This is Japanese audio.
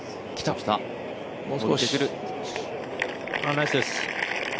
ナイスです。